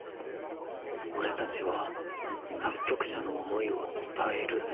俺たちは作曲者の想いを伝えるか。